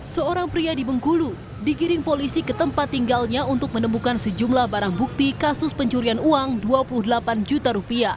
seorang pria di bengkulu digiring polisi ke tempat tinggalnya untuk menemukan sejumlah barang bukti kasus pencurian uang rp dua puluh delapan juta